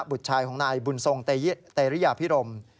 บุษชายของนายบุณทรงเตะเรียพิรม